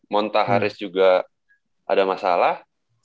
monta harris juga ada masalah